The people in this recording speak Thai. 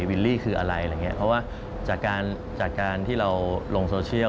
วิลลี่คืออะไรเพราะว่าจากการที่เราลงโซเชียล